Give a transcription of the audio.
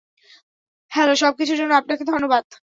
Hello সবকিছুর জন্য আপনাকে ধন্যবাদ।